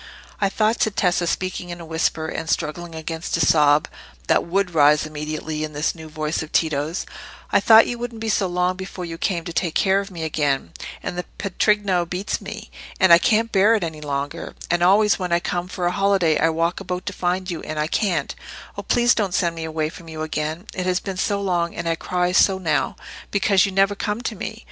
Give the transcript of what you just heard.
"I thought," said Tessa, speaking in a whisper, and struggling against a sob that would rise immediately at this new voice of Tito's—"I thought you wouldn't be so long before you came to take care of me again. And the patrigno beats me, and I can't bear it any longer. And always when I come for a holiday I walk about to find you, and I can't. Oh, please don't send me away from you again! It has been so long, and I cry so now, because you never come to me.